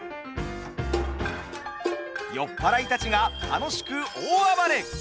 酔っ払いたちが楽しく大暴れ。